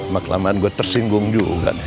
maklaman gue tersinggung juga nel